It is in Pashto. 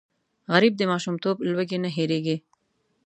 غریب د ماشومتوب لوږې نه هېرېږي